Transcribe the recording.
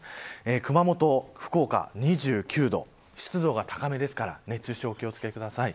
熊本、福岡２９度湿度が高めですから熱中症にお気を付けください。